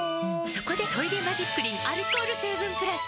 そこで「トイレマジックリン」アルコール成分プラス！